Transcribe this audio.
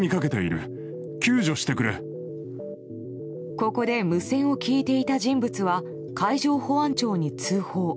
ここで無線を聞いていた人物は海上保安庁に通報。